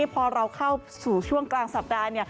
พอเราเข้าสู่ช่วงกลางสัปดาห์